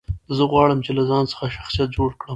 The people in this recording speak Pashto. زه غواړم، چي له ځان څخه شخصیت جوړ کړم.